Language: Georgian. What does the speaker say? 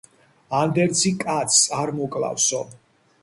ანდერძი კაცს, არ მოკლავსო